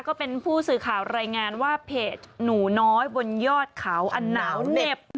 ก็เป็นผู้สื่อข่าวรายงานว่าเพจหนูน้อยบนยอดเขาอันหนาวเหน็บ